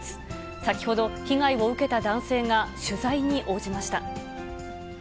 先ほど、被害を受けた男性が取材に応じました。